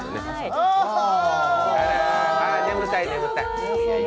眠たい、眠たい。